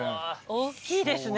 大きいですね